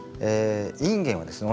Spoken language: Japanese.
インゲンはですね